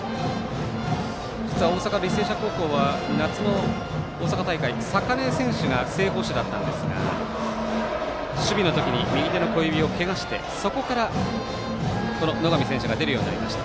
実は大阪、履正社高校は夏の大阪大会坂根選手が正捕手だったんですが守備のときに右手の小指をけがしてそこから野上選手が出るようになりました。